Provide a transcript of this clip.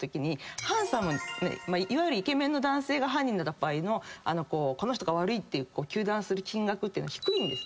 いわゆるイケメンの男性が犯人だった場合のこの人が悪いっていう糾弾する金額って低いんですね。